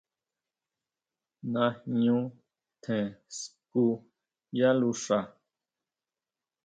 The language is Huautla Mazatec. Ñajñu tjen skú yá luxa.